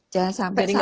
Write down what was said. jangan sampai salah diet